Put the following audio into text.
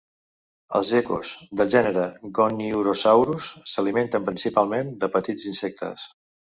Els gecos del gènere Goniurosaurus s'alimenten principalment de petits insectes.